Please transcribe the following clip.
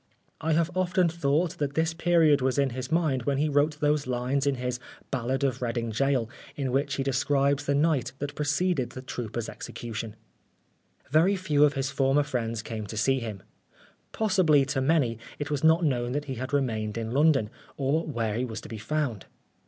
I have often thought that this period was in his mind when he wrote those lines in his " Ballad of Reading Gaol," in which he describes the night that preceded the trooper's execution. Very few of his former friends came to see him. Possibly, to many it was not known that he had remained in London, or where he was to be found.